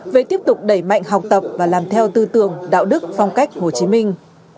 với tiếp tục đẩy mạnh học tập và làm theo tư tường đạo đức phong cách hồ chí minh